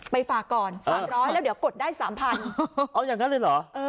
ไปฝากก่อนสามร้อยแล้วเดี๋ยวกดได้สามพันอย่างงั้นเลยเหรอ